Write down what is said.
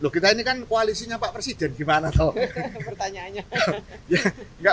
loh kita ini kan koalisinya pak presiden gimana kalau pertanyaannya